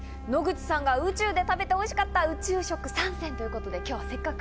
野口さんが宇宙で食べておいしかった宇宙食３選。